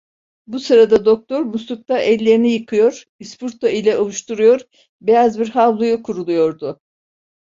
Bu sırada doktor muslukta ellerini yıkıyor, ispirto ile ovuşturuyor, beyaz bir havluya kuruluyordu.